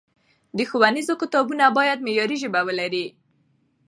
د ښوونځیو کتابونه باید معیاري ژبه ولري.